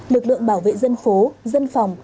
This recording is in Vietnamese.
lực lượng bảo vệ dân phố dân phòng